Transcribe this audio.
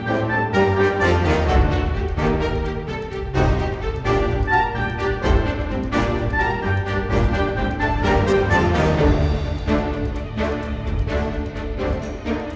โปรดติดตามตอนต่อไป